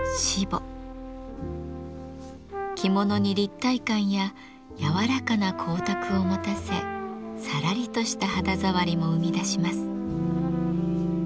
着物に立体感や柔らかな光沢を持たせさらりとした肌触りも生み出します。